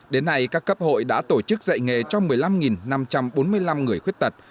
đến nay các cấp hội đã tổ chức dạy nghề cho một mươi năm năm trăm bốn mươi năm người khuyết tật